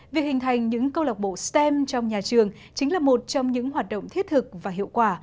việc hình thành những câu lạc bộ stem trong nhà trường chính là một trong những hoạt động thiết thực và hiệu quả